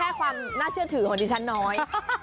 แค่ความน่าเชื่อถือของดิฉันน้อย